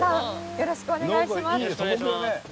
よろしくお願いします。